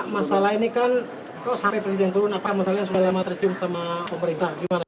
masalah ini kan kok sampai presiden turun apa masalahnya sudah lama terjun sama pemerintah gimana